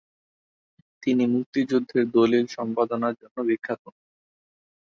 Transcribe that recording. তিনি মুক্তিযুদ্ধের দলিল সম্পাদনার জন্য বিখ্যাত।